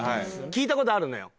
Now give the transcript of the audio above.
聞いた事あるのよ。